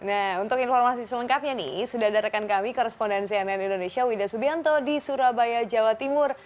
nah untuk informasi selengkapnya nih sudah ada rekan kami korespondensi ann indonesia wida subianto di surabaya jawa timur